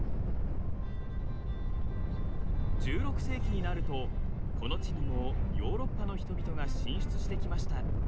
１６世紀になるとこの地にもヨーロッパの人々が進出してきました。